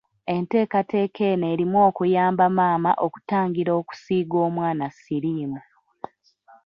Enteekateeka eno erimu okuyamba maama okutangira okusiiga omwana siriimu.